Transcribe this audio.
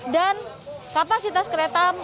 dan kapasitas kereta